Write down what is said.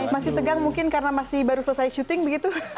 masih tegang mungkin karena masih baru selesai syuting begitu